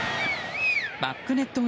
バックネット